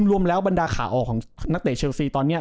รวมแล้วบรรดาขาออกของนักเตะเชลซีตอนนี้